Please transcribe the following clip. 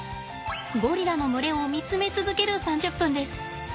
ゴリラの群れを見つめ続ける３０分です。